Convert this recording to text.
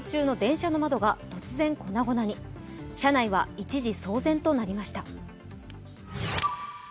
車内は一時騒然となりました。